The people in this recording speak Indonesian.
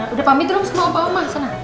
udah pamit dulu harus kemauan opa oma sana